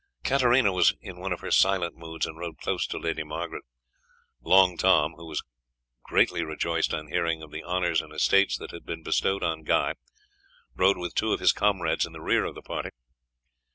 Katarina was in one of her silent moods, and rode close to Lady Margaret. Long Tom, who was greatly rejoiced on hearing of the honours and estates that had been bestowed on Guy, rode with two of his comrades in the rear of the party.